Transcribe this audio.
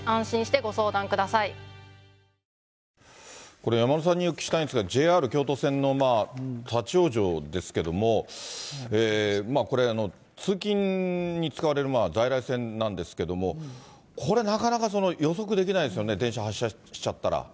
、これ、山村さんにお聞きしたいんですが、ＪＲ京都線の立往生ですけども、これ、通勤に使われる在来線なんですけれども、これ、なかなか予測できないですよね、電車発車しちゃったら。